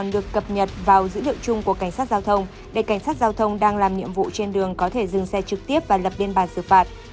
đội cảnh sát giao thông đang làm nhiệm vụ trên đường có thể dừng xe trực tiếp và lập biên bản xử phạt